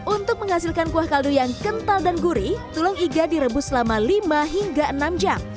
untuk menghasilkan kuah kaldu yang kental dan gurih tulang iga direbus selama lima hingga enam jam